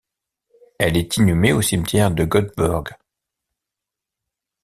Elle est inhumée au cimetière de Göteborg.